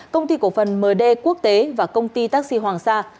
công ty cổ phần md quốc tế và công ty taxi hoàng sa